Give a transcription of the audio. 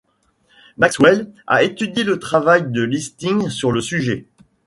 Maxwell a étudié le travail de Listing sur le sujet.